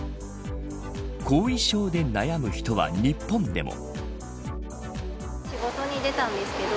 後遺症で悩む人は日本でも。